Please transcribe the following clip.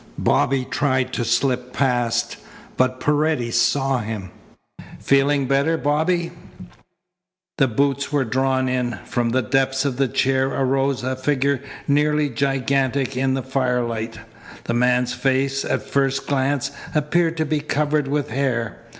Bobby tried to slip past, but Paredes saw him. "Feeling better, Bobby?" The boots were drawn in. From the depths of the chair arose a figure nearly gigantic in the firelight. The man's face, at first glance, appeared to be covered with hair.